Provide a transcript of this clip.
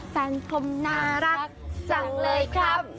แฟนผมน่ารักจังเลยครับ